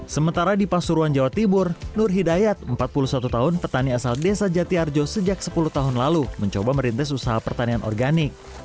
sementara di pasuruan jawa timur nur hidayat empat puluh satu tahun petani asal desa jati arjo sejak sepuluh tahun lalu mencoba merintis usaha pertanian organik